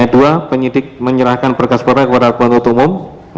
dan beri penyertaan berkas perka kepada penutup umum